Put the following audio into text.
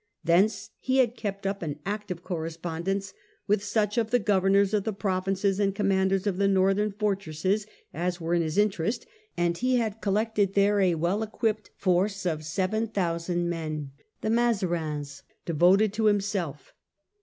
Thence he had kept up an active correspondence with such of the governors of the pro vinces and commanders of the northern fortresses as were in his interest, and he had collected there a well 1652. Turenne joins the Court 65 equipped force of 7,000 men — the Mazarins — devoted to. himself.